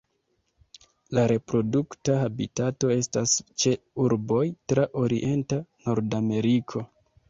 La reprodukta habitato estas ĉe urboj tra orienta Nordameriko.